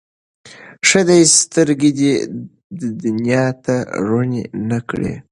ښه دی سترګي دي دنیا ته روڼي نه کړې